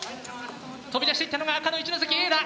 飛び出していったのが赤の一関Ａだ。